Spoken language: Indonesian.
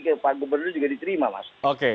ke pak gubernur juga diterima mas